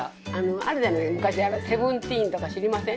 あるじゃないですか昔「セブンティーン」とか知りません？